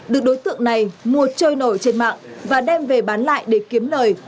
được đối tượng này mua trôi nổi trên mạng và đem về bán lại để kiếm lời